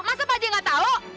masa pak j nggak tahu